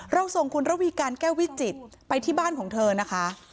ส่งคุณระวีการแก้ววิจิตรไปที่บ้านของเธอนะคะ